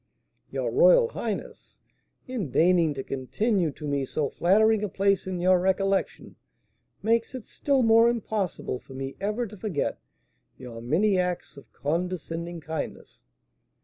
"Your royal highness, in deigning to continue to me so flattering a place in your recollection, makes it still more impossible for me ever to forget your many acts of condescending kindness."